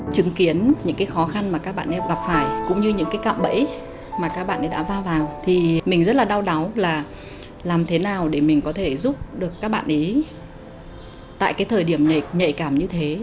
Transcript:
chứng kiến những khó khăn mà các bạn em gặp phải cũng như những cạm bẫy mà các bạn em đã va vào thì mình rất là đau đáu là làm thế nào để mình có thể giúp được các bạn em tại thời điểm nhạy cảm như thế